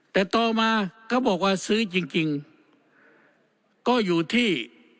แต่ต่อมาเขาบอกว่าซื้อจริงก็อยู่ที่